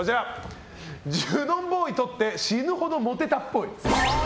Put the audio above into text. ジュノンボーイとって死ぬほどモテたっぽい。